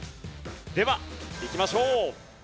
ではいきましょう。